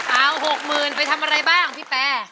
เอา๖๐๐๐ไปทำอะไรบ้างพี่แปร